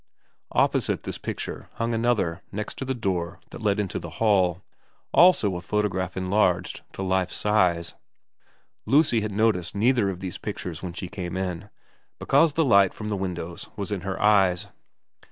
Opposite this picture hung another, next to the door 186 VERA that led into the hall, also a photograph enlarged to life size. Lucy had noticed neither of these pictures when she came in, because the light from the windows was in her eyes.